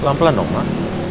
pelan pelan dong mah